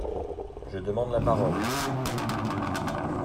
Je demande la parole